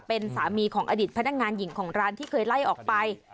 เป็นสามีของอดีตพนักงานหญิงของร้านที่เคยไล่ออกไป